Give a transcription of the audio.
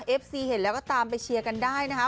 เอฟซีเห็นแล้วก็ตามไปเชียร์กันได้นะคะ